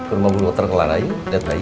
doi ke rumah bu lutar kelar lagi liat bayi